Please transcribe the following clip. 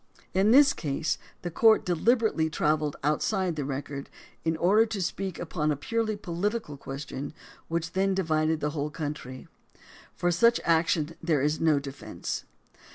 In this case the court deliberately travelled outside the record in order to speak upon a purely THE DEMOCRACY OF ABRAHAM LINCOLN 141 political question which then divided the whole coun try. For such action there is no defence.